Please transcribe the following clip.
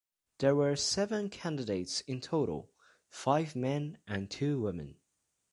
There were seven candidates in total, five men and two women.